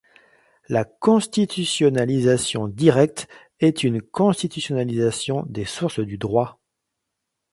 La constitutionnalisation directe est une constitutionnalisation des sources du droit.